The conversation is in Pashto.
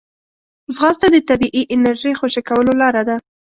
ځغاسته د طبیعي انرژۍ خوشې کولو لاره ده